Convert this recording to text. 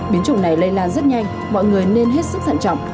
biến chủng này lây lan rất nhanh mọi người nên hết sức thận trọng